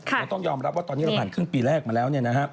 เราต้องยอมรับว่าตอนนี้เราผ่านครึ่งปีแรกมาแล้ว